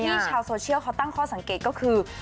ชาวโซเชียลเขาตั้งข้อสังเกตก็คือ